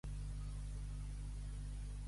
Dos Joans i un Pere, bogeria entera.